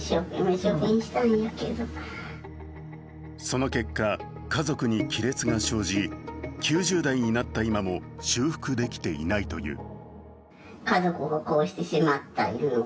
その結果、家族に亀裂が生じ、９０代になった今も修復できていないという。